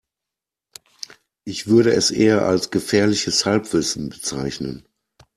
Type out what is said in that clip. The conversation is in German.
Ich würde es eher als gefährliches Halbwissen bezeichnen.